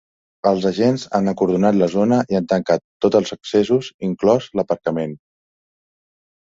Els agents han acordonat la zona i tancat tots els accessos, inclòs l’aparcament.